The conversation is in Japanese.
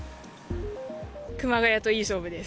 熊谷といい勝負です。